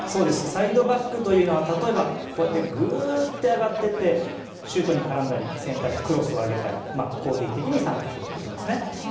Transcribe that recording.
サイドバックというのは例えば、グーッて上がっていってシュートに絡んだりクロスを上げたり、攻撃的に参加するということですね。